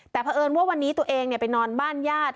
แต่เพราะเอิญว่าวันนี้ตัวเองไปนอนบ้านญาติ